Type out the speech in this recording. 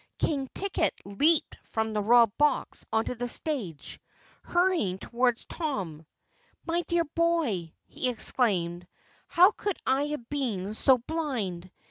King Ticket leaped from the Royal Box onto the stage, hurrying toward Tom. "My dear boy," he exclaimed, "how could I have been so blind?